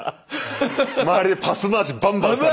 周りでパス回しバンバンされて。